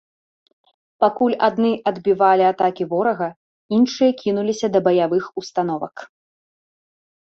Пакуль адны адбівалі атакі ворага, іншыя кінуліся да баявых установак.